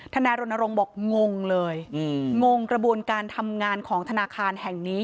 นายรณรงค์บอกงงเลยงงกระบวนการทำงานของธนาคารแห่งนี้